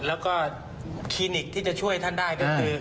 แล้วก็คลินิกที่จะช่วยท่านได้ก็คือ